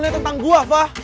fah itu salah menurut gue fah